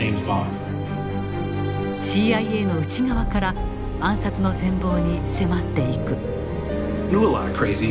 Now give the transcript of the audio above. ＣＩＡの内側から暗殺の全貌に迫っていく。